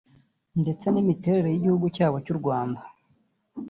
ndetse n’imiterere y’igihugu cyabo cy’U Rwanda